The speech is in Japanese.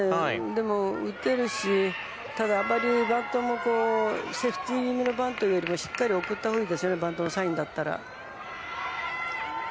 打てるしただ、バントもセーフティー気味のバントよりしっかり送ったほうがいいですねバントのサインだったら。